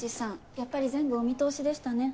やっぱり全部お見通しでしたね。